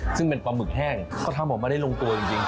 ซึ่งเป็นปลาหมึกแห้งก็ทำออกมาได้ลงตัวจริง